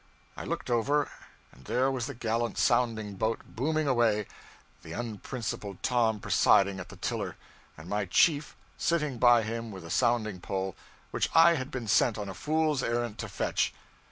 I looked over, and there was the gallant sounding boat booming away, the unprincipled Tom presiding at the tiller, and my chief sitting by him with the sounding pole which I had been sent on a fool's errand to fetch.